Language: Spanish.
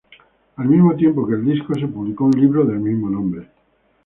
Al mismo tiempo que el disco, se publicó un libro del mismo nombre.